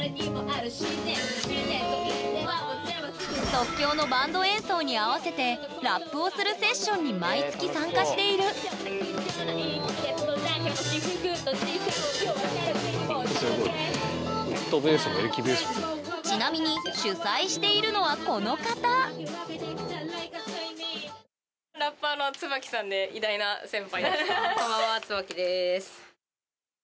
即興のバンド演奏に合わせてラップをするセッションに毎月参加しているちなみに主催しているのはこの方先攻椿！